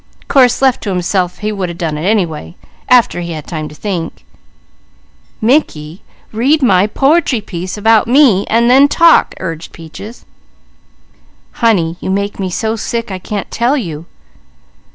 Course left to himself, he would a done it anyway, after he had time to think " "Mickey, read my po'try piece about me, an' then talk," urged Peaches. "Honey, you make me so sick I can't tell you."